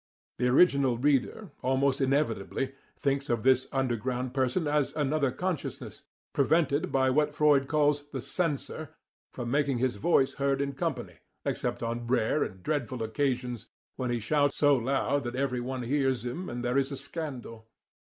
The ordinary reader, almost inevitably, thinks of this underground person as another consciousness, prevented by what Freud calls the "censor" from making his voice heard in company, except on rare and dreadful occasions when he shouts so loud that every one hears him and there is a scandal.